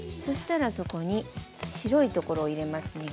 そしたらそこに白いところを入れます